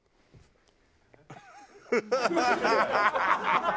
ハハハハ！